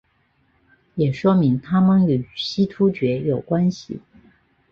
也说明他们与西突厥有关系。